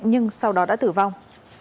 nhưng sau đó đã tử vong